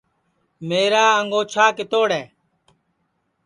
میرا انگوچھا کِتوڑ ہے